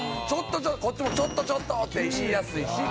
こっちもちょっとちょっと！って言いやすいしみたいな。